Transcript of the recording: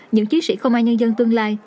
những chiến sĩ công an nhân dân tương lai